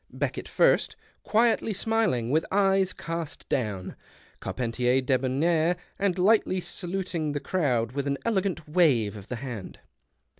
Beckett first, quietly smiling, with eyes cast down, Carpentier debonair and lightly saluting the crowd with an elegant wave of the hand.